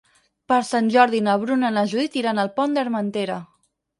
Per Sant Jordi na Bruna i na Judit iran al Pont d'Armentera.